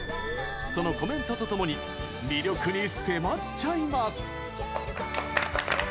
そのコメントとともに魅力に迫っちゃいます。